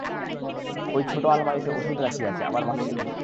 ওই ছোট আলমারিতে ওষুধ রাখিয়াছে, আবার বাক্সে কেন?